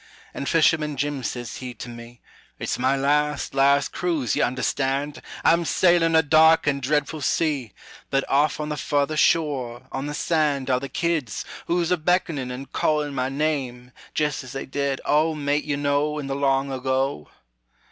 And fisherman Jim sez he to me, "It's my last, last cruise, you understand, I'm sailin' a dark and dreadful sea, But off on the further shore, on the sand, Are the kids, who's a beck'nin' and callin' my name Jess as they did, oh, mate, you know, In the long ago."